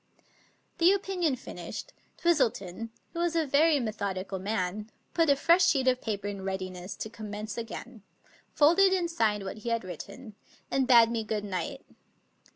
The opinion finished, Twistleton, who was a very me thodical man, put a fresh sheet of paper in readiness to commence again, folded and signed what he had written, and bade me good night.